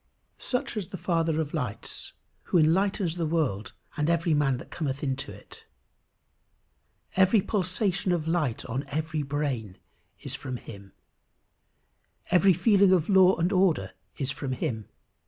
Such is the Father of lights who enlightens the world and every man that cometh into it. Every pulsation of light on every brain is from him. Every feeling of law and order is from him.